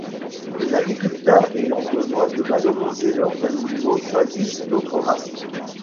Les agriculteurs ayant besoin de valoriser leurs animaux choisissent d'autres races.